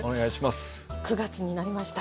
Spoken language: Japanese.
９月になりました。